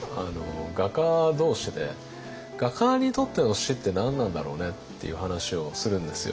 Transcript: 画家同士で画家にとっての死って何なんだろうねっていう話をするんですよ。